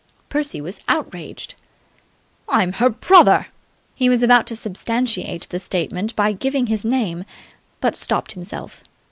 Percy was outraged. "I'm her brother!" He was about to substantiate the statement by giving his name, but stopped himself.